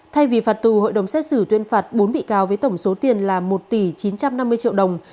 thay vì phạt tù hội đồng xét xử tuyên phạt bốn bị cáo với tổng số tiền là một tỷ chín trăm năm mươi triệu đồng